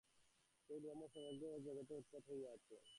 সেই ব্রহ্ম সমগ্র জগতে ওতপ্রোত হইয়া আছেন।